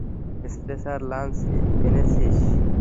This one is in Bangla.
স্পেশার লাঞ্চ এনেছিস?